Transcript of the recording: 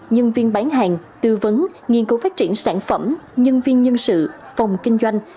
nhân viên bán hàng tư vấn nghiên cứu phát triển sản phẩm nhân viên nhân sự phòng kinh doanh